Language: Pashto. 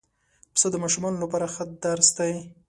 پسه د ماشومانو لپاره ښه درس دی.